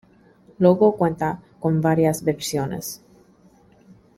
Logo cuenta con varias versiones.